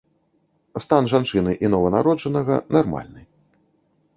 Стан жанчыны і нованароджанага нармальны.